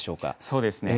そうですね。